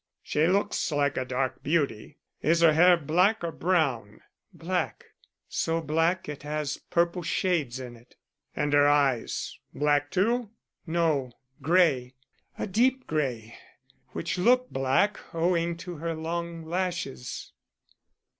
"She looks like a dark beauty. Is her hair black or brown?" "Black. So black it has purple shades in it." "And her eyes? Black too?" "No, gray. A deep gray, which look black owing to her long lashes."